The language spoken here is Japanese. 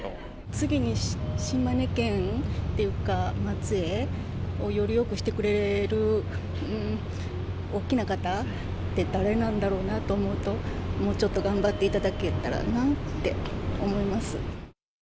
次に島根県っていうか、松江をよりよくしてくれる大きな方って誰なんだろうなと思うと、もうちょっと頑張っていただけたらなって思います。